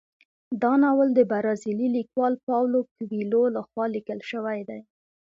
دا ناول د برازیلي لیکوال پاولو کویلیو لخوا لیکل شوی دی.